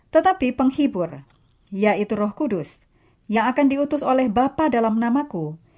tetapi penghibur yaitu roh kudus yang akan diutus oleh bapak dalam namaku